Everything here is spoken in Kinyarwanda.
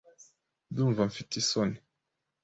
Ndumva mfite isoni .